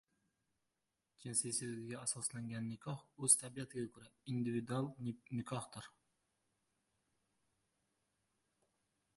Jinsiy sevgiga asoslantan nikoh o‘z tabiatiga ko‘ra individual nikohdir.